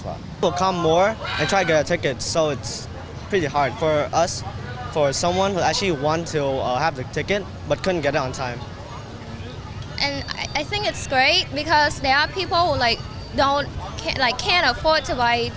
karena ada orang yang tidak dapat membeli tiket tapi mereka dapat mendapatkannya secara gratis